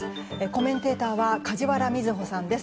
コメンテーターは梶原みずほさんです。